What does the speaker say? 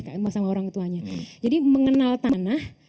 kamu sama orang tuanya jadi mengenal tanah